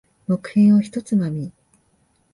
木片を一つまみ。